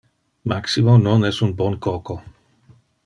Maximo non es un bon coco.